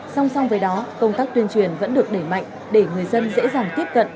song song với đó công tác tuyên truyền vẫn được đẩy mạnh để người dân dễ dàng tiếp cận